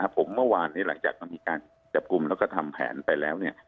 ผมเมื่อวานหลังจากการจับกลุ่มและทำแผนไปแล้ว